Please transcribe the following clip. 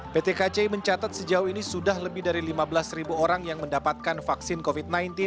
pt kci mencatat sejauh ini sudah lebih dari lima belas orang yang mendapatkan vaksin covid sembilan belas